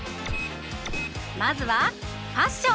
まずはファッション！